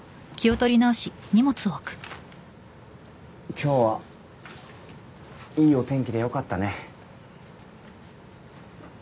今日はいいお天気でよかったね